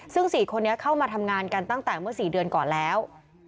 ซึ่ง๔คนนี้เข้ามาทำงานกันตั้งแต่เมื่อ๔เดือนก่อนแล้ว